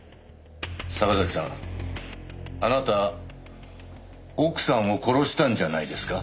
坂崎さんあなた奥さんを殺したんじゃないですか？